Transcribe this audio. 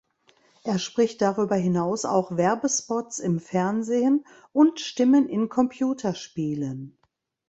Er spricht darüber hinaus auch Werbespots im Fernsehen und Stimmen in Computerspielen.